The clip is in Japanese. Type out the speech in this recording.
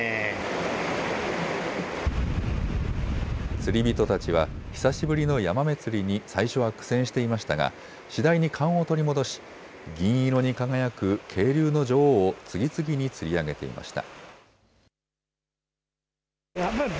釣り人たちは久しぶりのヤマメ釣りに最初は苦戦していましたが次第に勘を取り戻し銀色に輝く渓流の女王を次々に釣り上げていました。